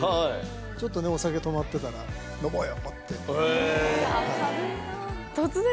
ちょっとね、お酒止まってたら、飲もうよ！